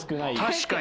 確かに。